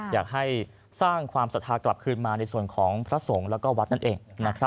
อยากให้สร้างความศรัทธากลับคืนมาในส่วนของพระสงฆ์แล้วก็วัดนั่นเอง